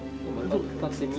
立ってみ？